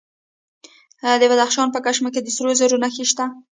د بدخشان په کشم کې د سرو زرو نښې شته.